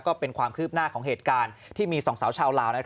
ก็เป็นความคืบหน้าของเหตุการณ์ที่มีสองสาวชาวลาว